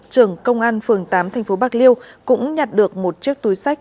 trưởng công an phường tám tp bạc liêu cũng nhặt được một chiếc túi sách